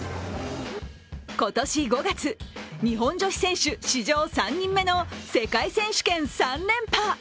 今年５月、日本女子選手史上３人目の世界選手権３連覇。